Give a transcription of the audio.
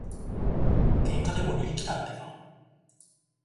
喧嘩でも売りにきたってか。